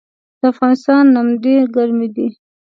د افغانستان نمدې ګرمې دي